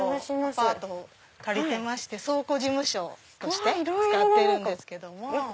アパートを借りてまして倉庫事務所として使ってるんです。